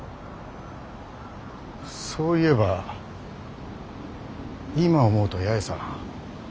そういえば今思うと八重さん